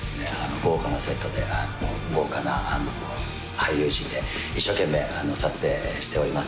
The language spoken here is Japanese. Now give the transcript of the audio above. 豪華なセットで豪華な俳優陣で一生懸命撮影しております